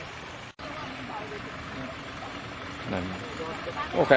ที่รายการสรุปทุกวันที่จะให้ทุกคนรอบรายการ